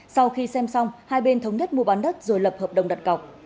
sau khi xem xong hai bên thống nhất mua bán đất rồi lập hợp đồng đặt cọc